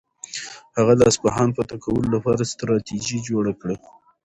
هغه د اصفهان فتح کولو لپاره ستراتیژي جوړه کړه.